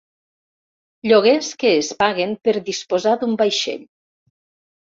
Lloguers que es paguen per disposar d'un vaixell.